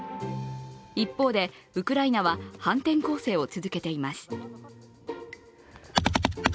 一方で、ウクライナは反転攻勢を続けています。